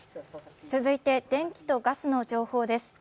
続いて電気とガスの情報です。